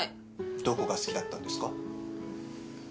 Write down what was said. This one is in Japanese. どこが好きだったんですか？